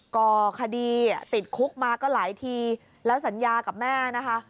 ก่อคดีติดคุกมาก็หลายทีแล้วสัญญากับแม่นะคะ